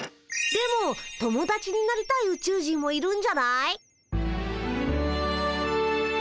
でも友だちになりたいウチュウ人もいるんじゃない？